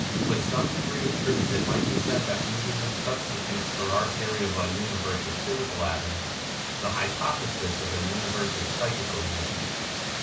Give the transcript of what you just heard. With some degree of truth it might be said that Buddhism substitutes for our theory of a universe of physical atoms the hypothesis of a universe of psychical units.